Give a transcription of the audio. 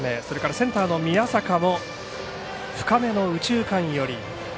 センターの宮坂も深めの右中間寄り。